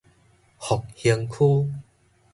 復興區